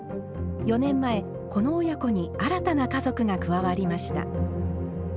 ４年前この親子に新たな家族が加わりました。